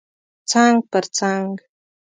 څنګ پر څنګ